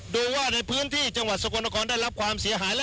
ดูว่าในพื้นที่จังหวัดสกลนครได้รับความเสียหาย